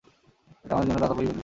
এটা আমাদের একটা দাতব্য ইভেন্টের ছবি।